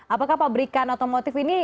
apakah pabrikan otomotif gias akan diadakan